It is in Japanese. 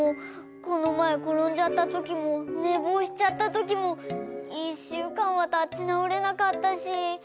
このまえころんじゃったときもねぼうしちゃったときもいっしゅうかんはたちなおれなかったし。